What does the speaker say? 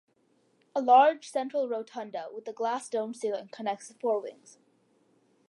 A large central rotunda with a glass domed ceiling connects the four wings.